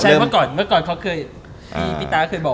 เมื่อก่อนพี่ตาเคยบอกว่า